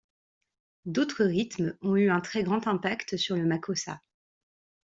D'autres rythmes ont eu un très grand impact sur le Makossa.